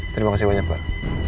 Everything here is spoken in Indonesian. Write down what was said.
terima kasih banyak pak